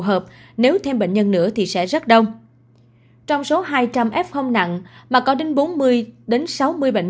hợp nếu thêm bệnh nhân nữa thì sẽ rất đông trong số hai trăm linh f nặng mà có đến bốn mươi đến sáu mươi bệnh